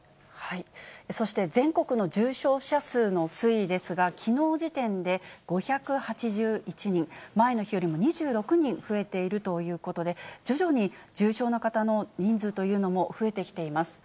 そして、全国の重症者数の推移ですが、きのう時点で５８１人、前の日よりも２６人増えているということで、徐々に重症の方の人数というのも増えてきています。